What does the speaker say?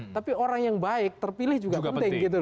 tapi orang yang baik terpilih juga penting gitu loh